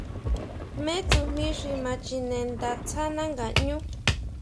Jmé tsujmí xi ma chine nda tsáná ngaʼñú.